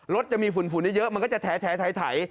จะมีฝุ่นเยอะมันก็จะแถ